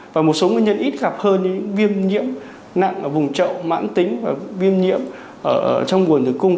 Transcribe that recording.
và một số nguyên nhân ít gặp hơn viêm nhiễm nặng ở vùng trậu mãn tính và viêm nhiễm trong nguồn tử cung